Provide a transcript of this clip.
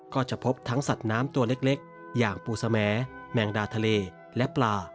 ก็จะพบทั้งสัตว์น้ำตัวเล็กอย่างปูสแมงดาทะเลและปลา